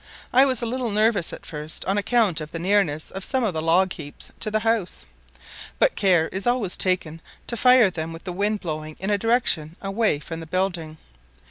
I was a little nervous at first on account of the nearness of some of the log heaps to the house, but care is always taken to fire them with the wind blowing in a direction away from the building.